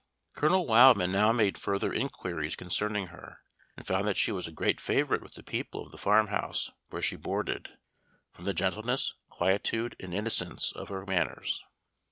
Colonel Wildman now made further inquiries concerning her, and found that she was a great favorite with the people of the farmhouse where she boarded, from the gentleness, quietude, and innocence of her manners.